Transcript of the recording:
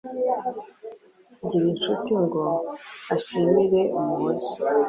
Ngirincuti ngo ashimire Umuhoza.